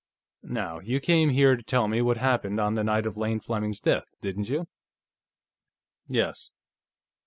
Now, you came here to tell me what happened on the night of Lane Fleming's death, didn't you?" "Yes.